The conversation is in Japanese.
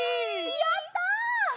やった！